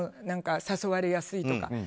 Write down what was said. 誘われやすいとか。